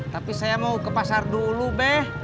tapi saya mau ke pasar dulu beh